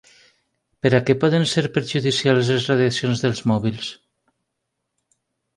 Per a què poden ser perjudicials les radiacions dels mòbils?